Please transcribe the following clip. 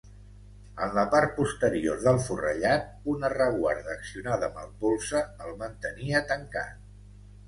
En la part posterior del forrellat, una reguarda accionada amb el polze el mantenia tancat.